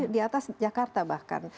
di atas jakarta bahkan